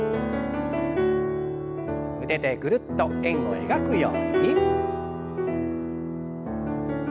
腕でぐるっと円を描くように。